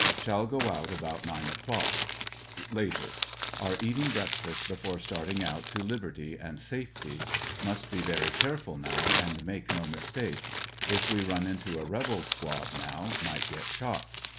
Shall go out about nine o'clock. Later. — Are eating breakfast before starting out to liberty and safety. Must be very careful now and make no mistake. If we run into a rebel squad now, might get shot.